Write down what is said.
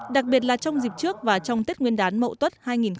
đặc biệt là trong dịp trước và trong tết nguyên đán mậu tuất hai nghìn một mươi tám